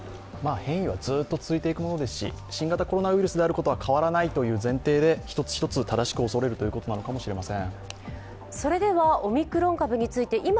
変異はずっと続いていくものですし、新型コロナウイルスであることは変わらないという前提で一つ一つ正しく恐れるということなのかもしれません。